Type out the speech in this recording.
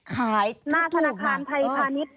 ขายทุกก่อนหน้าธนาคารไพพานิส